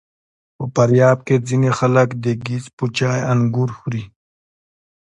په فاریاب کې ځینې خلک د ګیځ په چای انګور خوري.